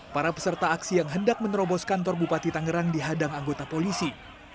para peserta aksi yang hendak menerobos kantor bupati tangerang dihadang anggota polisi